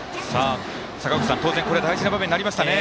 当然、大事な場面になりましたね。